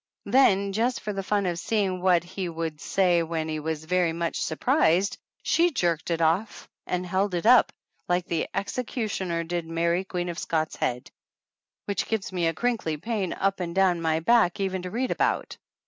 Then, just for the fun of seeing what he would say when he was very much sur prised, she jerked it off and held it up, like the executioner did Mary, Queen of Scot's head, which gives me a crinkly pain up and down my back even to read about.